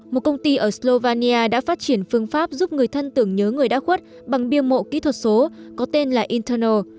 một công ty ở slovania đã phát triển phương pháp giúp người thân tưởng nhớ người đã khuất bằng bia mộ kỹ thuật số có tên là internal